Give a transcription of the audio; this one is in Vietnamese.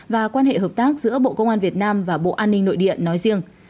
và quan hệ hợp tác giữa bộ công an việt nam và bộ an ninh nội địa nói riêng